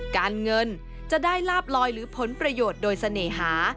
การเงินจะได้ลาบลอยหรือผลประโยชน์โดยเสน่หา